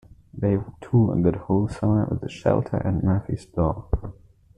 They would tour that whole summer with Shelter and Murphys Law.